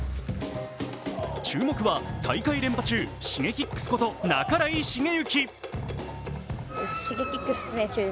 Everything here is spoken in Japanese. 注目は大会連覇中、Ｓｈｉｇｅｋｉｘこと半井重幸。